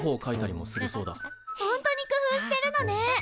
本当に工夫してるのね！